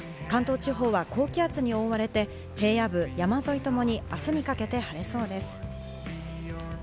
関東地方は高気圧に覆われて平野部、山沿いともに明日にかけて晴れそうです。